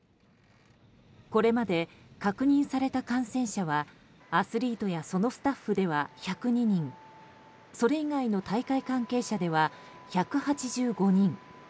これまで確認された感染者はアスリートやそのスタッフでは１０２人それ以外の大会関係者では１８５人。